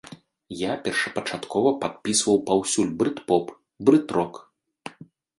Я першапачаткова падпісваў паўсюль брыт-поп, брыт-рок.